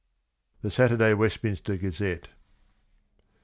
— The Saturday Westminster Gazette.